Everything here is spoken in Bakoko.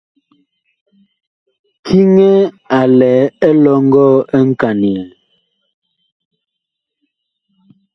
Kiŋɛ a lɛ elɔŋgɔ nkanyɛɛ.